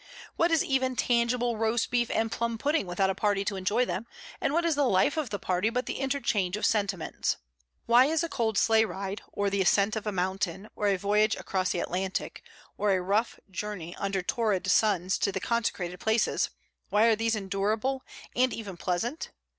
What is even tangible roast beef and plum pudding without a party to enjoy them; and what is the life of the party but the interchange of sentiments? Why is a cold sleigh ride, or the ascent of a mountain, or a voyage across the Atlantic, or a rough journey under torrid suns to the consecrated places, why are these endurable, and even pleasant?